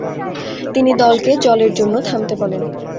তিনি দলকে জলের জন্য থামতে বলেন।